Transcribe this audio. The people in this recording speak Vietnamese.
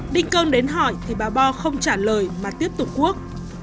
đinh cơn đến hỏi thì bà bo không trả lời mà tiếp tục cuốc